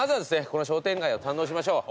この商店街を堪能しましょう。